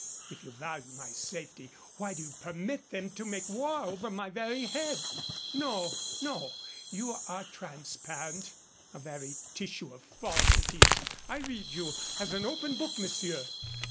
If you value my safety, why do you permit them to make war over my very head? No, no. You are transparent a very tissue of falsities. I read you as an open book, monsieur."